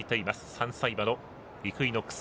３歳馬のイクイノックス。